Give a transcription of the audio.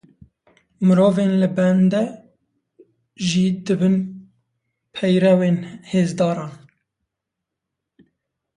Mirovên li bende jî dibin peyrewên hêzdaran.